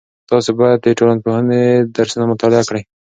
تاسې باید د ټولنپوهنې درسونه مطالعه کړئ.